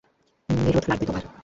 নিরোধ লাগবে তোমার?